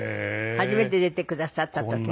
初めて出てくださった時ね。